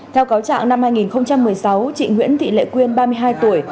theo cáo trạng năm hai nghìn một mươi sáu chị nguyễn thị lệ quyên ba mươi hai tuổi